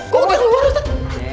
kok udah dulu ustadz